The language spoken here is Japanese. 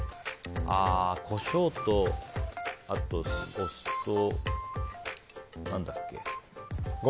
コショウとお酢と、何だっけ。